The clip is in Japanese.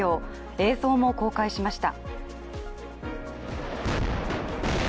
映像も公開しました。